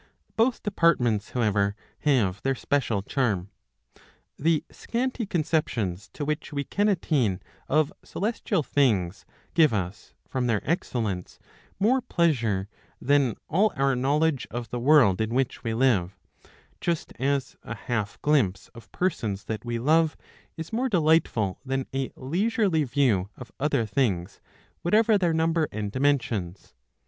Both departments, however, have their special charm. The scanty conceptions to which we can attain of celestial things give us, from their excellence, more pleasure than all our knowledge of the world in which we live ; just as a half glimpse of persons that we love is more delightful than a leisurely view of other things, whatever their number and dimensions.